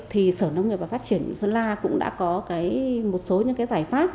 thì sở nông nghiệp và phát triển sơn la cũng đã có một số những cái giải pháp